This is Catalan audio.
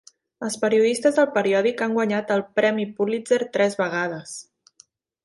Els periodistes del periòdic han guanyat el premi Pulitzer tres vegades.